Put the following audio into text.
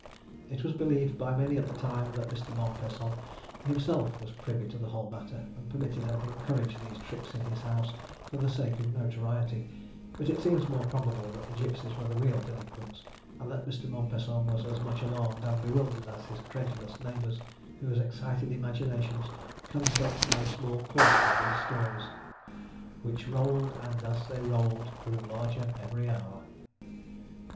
It was believed by many at the time, that Mr. Mompesson himself was privy to the whole matter, and permitted and encouraged these tricks in his house for the sake of notoriety; but it seems more probable that the gipsies were the real delinquents, and that Mr. Mompesson was as much alarmed and bewildered as his credulous neighbours, whose excited imaginations conjured up no small portion of these stories, "Which roll'd, and, as they roll'd, grew larger every hour."